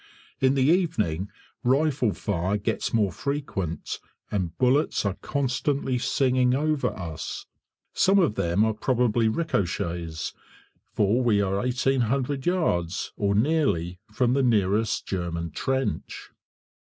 In the evening rifle fire gets more frequent, and bullets are constantly singing over us. Some of them are probably ricochets, for we are 1800 yards, or nearly, from the nearest German trench.